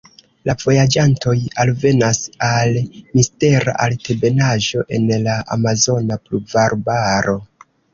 La vojaĝantoj alvenas al mistera altebenaĵo en la amazona pluvarbaro.